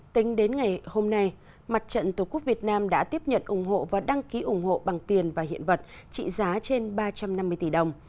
tính đến ngày hôm nay mặt trận tổ quốc việt nam đã tiếp nhận ủng hộ và đăng ký ủng hộ bằng tiền và hiện vật trị giá trên ba trăm năm mươi tỷ đồng